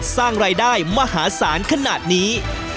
สร้างรายได้มหาศาลขนาดนี้